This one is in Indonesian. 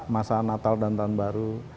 masa natal dan tahun baru